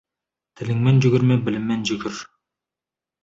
Тіліңмен жүгірме, біліммен жүгір.